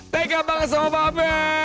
tega banget sama pak fb